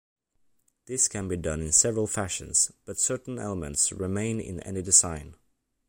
This can be done in several fashions, but certain elements remain in any design.